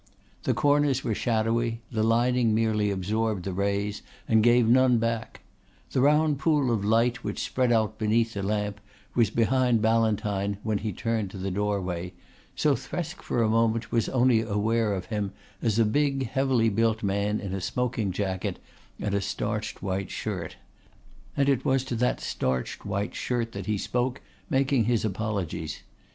The corners were shadowy; the lining merely absorbed the rays and gave none back. The round pool of light which spread out beneath the lamp was behind Ballantyne when he turned to the doorway, so Thresk for a moment was only aware of him as a big heavily built man in a smoking jacket and a starched white shirt; and it was to that starched white shirt that he spoke, making his apologies.